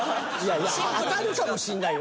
当たるかもしれないよ